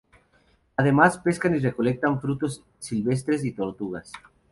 Además pescan y recolectan frutos silvestres y tortugas.